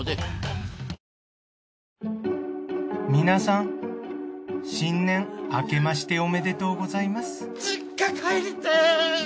皆さん新年明けましておめでとうございます実家帰りてぇ！